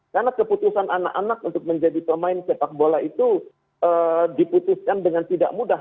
karena keputusan anak anak untuk menjadi pemain sepak bola itu diputuskan dengan tidak mudah